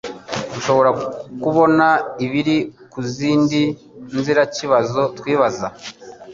Nshobora kubona ibiri ku zindi nziraikibazo twibaza